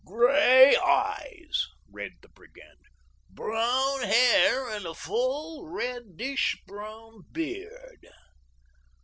"'Gray eyes,'" read the brigand, "'brown hair, and a full, reddish brown beard.